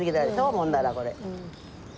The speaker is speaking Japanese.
もんだらこれ。